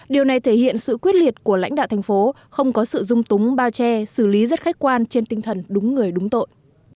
điều này thể hiện sự quyết liệt của lãnh đạo thành phố không có sự dung túng bao che xử lý rất khách quan trên tinh thần đúng người đúng tội